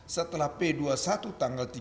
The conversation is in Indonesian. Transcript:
setelah p dua puluh satu tanggal